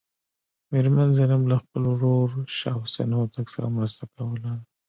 میرمن زینب له خپل ورور شاه حسین هوتک سره مرسته کوله.